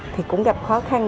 thì cũng gặp khó khăn